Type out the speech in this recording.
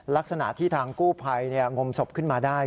ลักษณะที่ทางกู้ภัยงมศพขึ้นมาได้